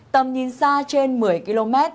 tầm nhìn xa trên một mươi km